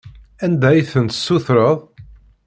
Anda ay ten-tessutreḍ?